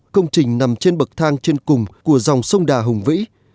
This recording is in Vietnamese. công trình nằm trên bậc thang trên cùng của dòng sông đà hùng vĩ